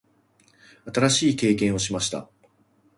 新しい経験をしました。